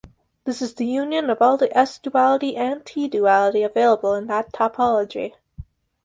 This is the union of all the S-duality and T-duality available in that topology.